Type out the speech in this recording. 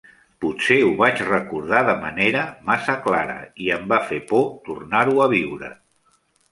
Potser ho vaig recordar de manera massa clara i em va fer por tornar-ho a viure.